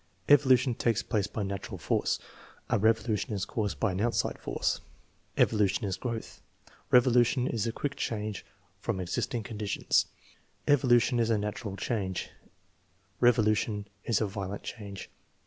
"Evolution takes place by natural force; a revolution is caused by an outside force." "Evolution is growth; revolution is a quick change from existing conditions." "Evolution is a natural change; revolution is a violent change."